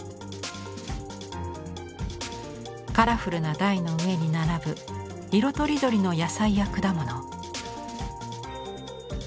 カラフルな台の上に並ぶ色とりどりの野菜や果物。